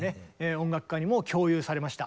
音楽家にも共有されました。